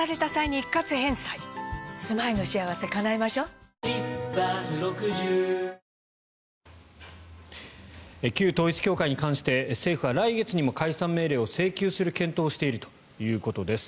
ハイクラスカードはダイナースクラブ旧統一教会に関して政府は来月にも解散命令を請求する検討をしているということです。